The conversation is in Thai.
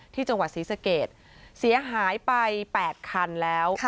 ที่จังหวัดศรีสเกตเสียหายไป๘คันแล้ว